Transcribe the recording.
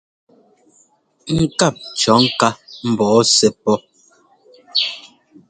Ŋkáp cɔ̌ ŋká mbɔɔ sɛ́ pɔ́.